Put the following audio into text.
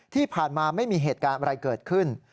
ที่ผ่านมาไม่มีเหตุการณ์อะไรเกิดขึ้น